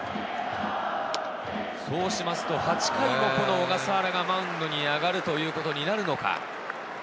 そうしますと、８回もこの小笠原がマウンドに上がるということになるのか。